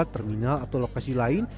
terminal atau lokasi lain